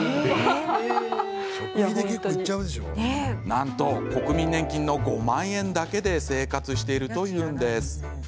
なんと、国民年金の５万円だけで生活しているというのです。